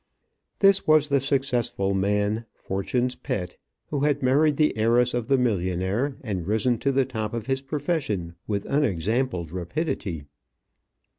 This was the successful man fortune's pet, who had married the heiress of the millionaire, and risen to the top of his profession with unexampled rapidity.